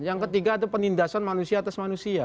yang ketiga ada penindasan manusia atas manusia